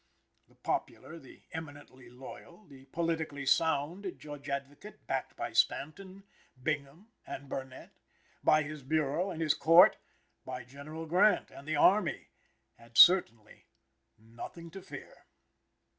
The popular, the eminently loyal, the politically sound Judge Advocate, backed by Stanton, Bingham and Burnett, by his Bureau and his Court, by General Grant and the Army, had certainly nothing to fear.